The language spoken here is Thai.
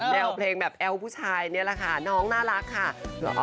แนวเพลงแบบแอลผู้ชายนี่แหละค่ะน้องน่ารักค่ะ